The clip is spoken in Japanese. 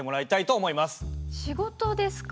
仕事ですか？